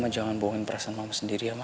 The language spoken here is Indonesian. mama jangan bohongin perasaan mama sendiri ya ma